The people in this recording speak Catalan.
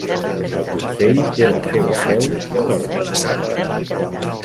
El Consell té la seva seu Dorking.